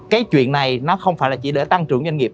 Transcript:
cái chuyện này nó không phải là chỉ để tăng trưởng doanh nghiệp